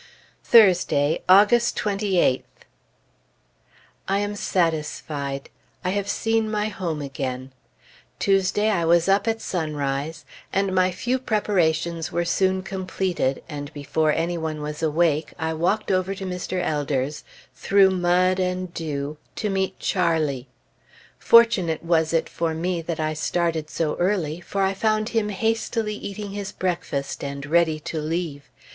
Thursday, August 28th. I am satisfied. I have seen my home again. Tuesday I was up at sunrise, and my few preparations were soon completed, and before any one was awake, I walked over to Mr. Elder's, through mud and dew, to meet Charlie. Fortunate was it for me that I started so early; for I found him hastily eating his breakfast, and ready to leave.